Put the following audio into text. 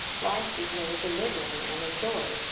Life is made to live in and enjoy.